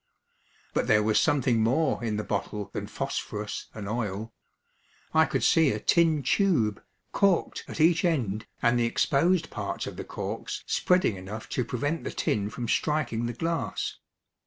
But there was something more in the bottle than phosphorus and oil. I could see a tin tube, corked at each end, and the exposed parts of the corks spreading enough to prevent the tin from striking the glass.